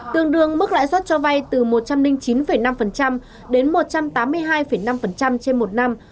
tương đương mức lãi suất cho vay từ một trăm linh chín năm đến một trăm tám mươi hai năm trên một năm